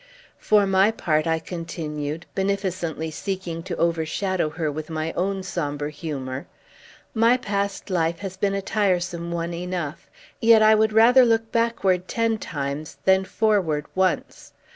"For my part," I continued, beneficently seeking to overshadow her with my own sombre humor, "my past life has been a tiresome one enough; yet I would rather look backward ten times than forward once.